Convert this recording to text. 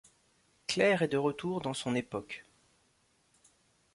Claire est de retour dans son époque.